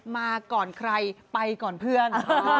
มาก่อนใครไปก่อนเพื่อน